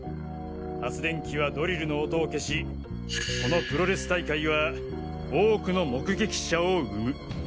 発電機はドリルの音を消しこのプロレス大会は多くの目撃者を生む。